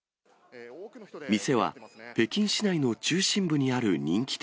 店は北京市内の中心部にある人気店。